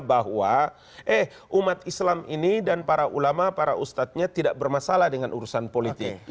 bahwa eh umat islam ini dan para ulama para ustadznya tidak bermasalah dengan urusan politik